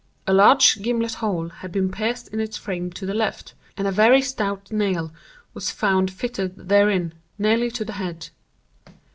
A large gimlet hole had been pierced in its frame to the left, and a very stout nail was found fitted therein, nearly to the head.